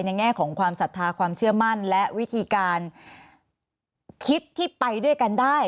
แง่ของความศรัทธาความเชื่อมั่นและวิธีการคิดที่ไปด้วยกันได้